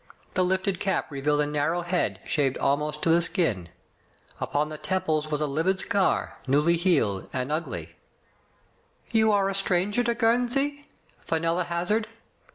The lifted cap revealed a narrow head shaved almost to the skin. Upon the temples was a livid scar, new healed and ugly. You are a stranger to Guernsey?" Fenella hazarded.